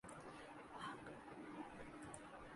ہمیں اجنبیت کا بالکل احساس نہ ہوا